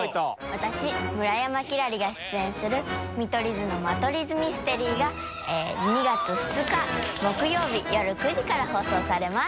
私村山輝星が出演する見取り図の間取り図ミステリー」が卸遑夏木曜日よる９時から放送されます。